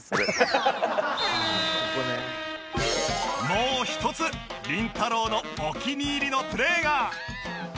もう一つりんたろー。のお気に入りのプレーが